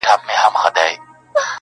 • بیا ویشتلی د چا سترګو مستانه یې,